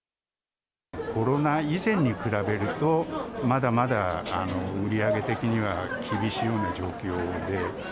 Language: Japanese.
コロナ以前に比べると、まだまだ売り上げ的には厳しいような状況で。